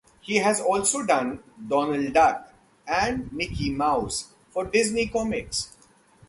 He has also done "Donald Duck" and "Mickey Mouse" for Disney comics.